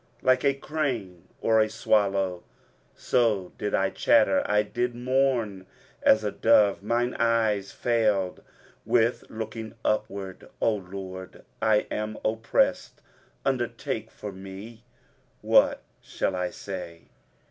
23:038:014 Like a crane or a swallow, so did I chatter: I did mourn as a dove: mine eyes fail with looking upward: O LORD, I am oppressed; undertake for me. 23:038:015 What shall I say?